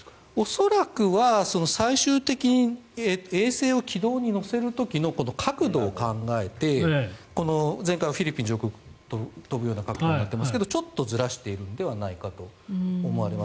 恐らくは最終的に衛星を軌道に乗せる時のこの角度を考えて前回はフィリピン上空を飛ぶような格好になっていますがちょっとずらしているのではないかと思われます。